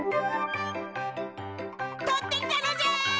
とってきたのじゃ！